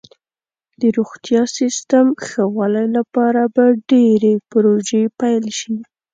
د روغتیا سیستم ښه والي لپاره به ډیرې پروژې پیل شي.